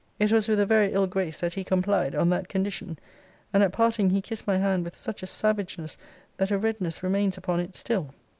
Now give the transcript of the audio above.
It was with a very ill grace that he complied, on that condition; and at parting he kissed my hand with such a savageness, that a redness remains upon it still.